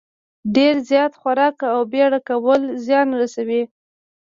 ډېر زیات خوراک او بېړه کول زیان رسوي.